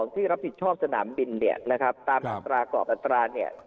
ที่รับผิดชอบสนามบินเนี่ยนะครับตามอัตรากรอบอัตราเนี่ย